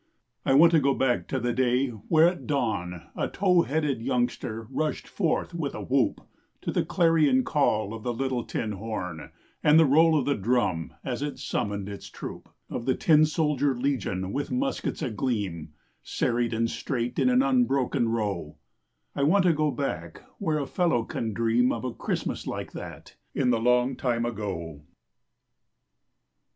4<> SONGS OF THE STALWART I want to go back to the day where at dawn A tow headed youngster rushed forth with a whoop To the clarion call of the Little Tin Horn And the roll of the drum as it summoned its troop Of the tin soldiered legion with muskets agleam, Serried and straight in an unbroken row I want to go back where a fellow can dream Of Christmas like that in the Longtime Ago.